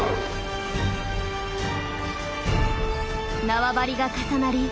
縄張りが重なり